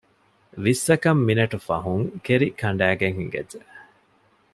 ވިއްސަކަށް މިނެޓު ފަހުން ކެރިކަނޑައިގެން ހިނގައްޖެ